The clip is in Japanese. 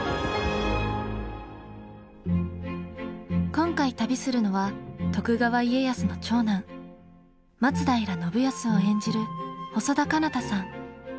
今回旅するのは徳川家康の長男松平信康を演じる細田佳央太さん。